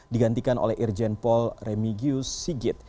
digantikan oleh irjen pol remigius sigit